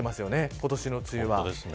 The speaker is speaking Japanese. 今年の梅雨は。